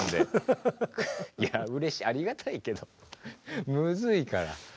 いやうれしいありがたいけどむずいから。